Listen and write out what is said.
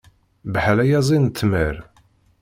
Bḥal ayazi n ttmer.